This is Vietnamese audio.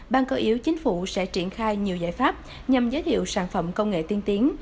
ban cờ yếu chính phủ sẽ triển khai nhiều giải pháp nhằm giới thiệu sản phẩm công nghệ tiên tiến